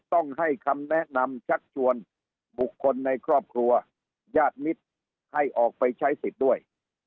ต้องให้คำแนะนำชักชวนบุคคลในครอบครัวญาติมิตรให้ออกไปใช้สิทธิ์ด้วย